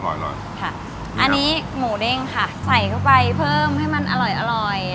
อร่อยค่ะอันนี้หมูเด้งค่ะใส่เข้าไปเพิ่มให้มันอร่อยอร่อย